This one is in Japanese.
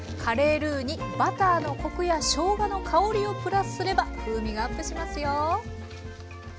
カレールーにバターのコクやしょうがの香りをプラスすれば風味がアップしますよ。